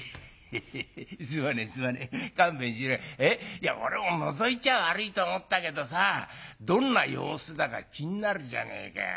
いや俺ものぞいちゃ悪いと思ったけどさどんな様子だか気になるじゃねえか。